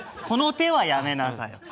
この手はやめなさい。